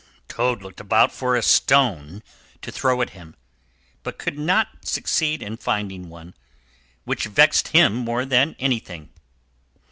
Toad looked about for a stone to throw at him, but could not succeed in finding one, which vexed him more than anything.